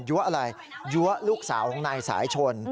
ยั้วอะไรยั้วลูกสาวของในสายชน